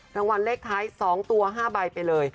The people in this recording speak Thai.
รางวัลเลขท้าย๒ตัว๕ใบไปเลย